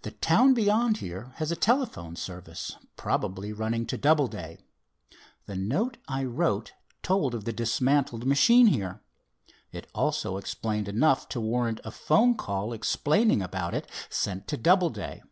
"The town beyond here has a telephone service probably, running to Doubleday. The note I wrote told of the dismantled machine here. It also explained enough to warrant a 'phone call, explaining about it, sent to Doubleday.